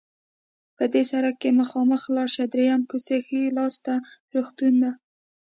په دې سړک مخامخ لاړ شه، دریمه کوڅه کې ښي لاس ته روغتون ده.